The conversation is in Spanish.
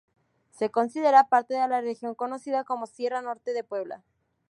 Se considera parte de la región conocida como Sierra Norte de Puebla.